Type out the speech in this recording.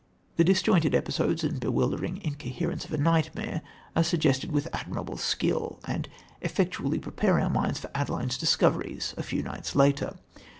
The disjointed episodes and bewildering incoherence of a nightmare are suggested with admirable skill, and effectually prepare our minds for Adeline's discoveries a few nights later.